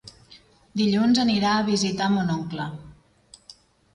Dilluns anirà a visitar mon oncle.